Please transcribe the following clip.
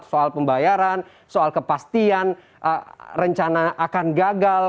soal pembayaran soal kepastian rencana akan gagal